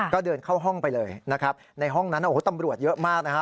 ก็เดินเข้าห้องไปเลยนะครับในห้องนั้นโอ้โหตำรวจเยอะมากนะฮะ